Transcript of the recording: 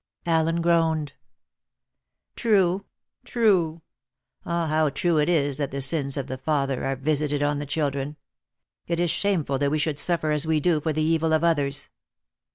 Allen groaned. "True, true; ah, how true it is that the sins of the father are visited on the children! It is shameful that we should suffer as we do for the evil of others."